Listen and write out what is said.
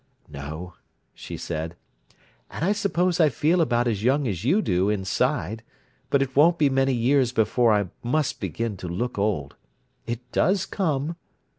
"No," she said. "And I suppose I feel about as young as you do, inside, but it won't be many years before I must begin to look old. It does come!"